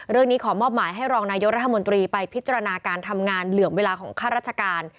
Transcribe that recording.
ขอมอบหมายให้รองนายกรัฐมนตรีไปพิจารณาการทำงานเหลื่อมเวลาของข้าราชการ